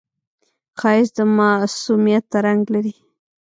ښایست د معصومیت رنگ لري